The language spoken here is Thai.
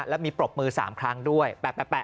แล้วมีปรบมือสามครั้งด้วยแปะ